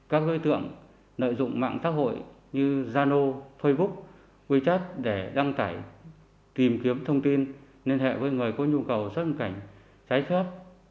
các đối tượng nội dung mạng tác hội như zano facebook wechat để đăng cải tìm kiếm thông tin liên hệ với người có nhu cầu xuất nhập cảnh trái phép